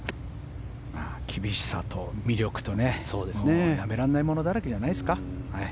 厳しさと魅力とやめられないものだらけじゃないですか。